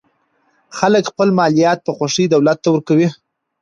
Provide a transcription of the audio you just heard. خلک خپل مالیات په خوښۍ دولت ته ورکوي.